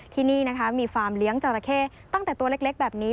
ที่นี่นะคะมีฟาร์มเลี้ยงจราเข้ตั้งแต่ตัวเล็กแบบนี้